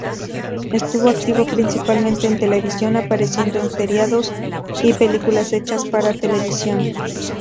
Estuvo activa principalmente en televisión, apareciendo en seriados y películas hechas para televisión.